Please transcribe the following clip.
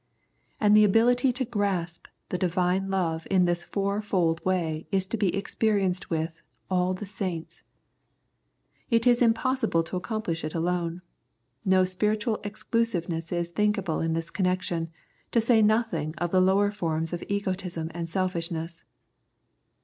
And the ability to grasp the Divine love in this fourfold way is to be experienced with " all the saints." It is impossible to accomplish it alone ; no spiritual exclusiveness is thinkable in this connection, to say nothing of the lower forms of egotism and selfishness.